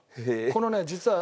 このね実は。